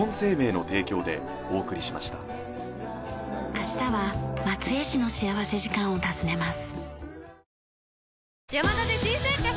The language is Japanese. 明日は松江市の幸福時間を訪ねます。